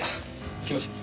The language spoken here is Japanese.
行きましょう。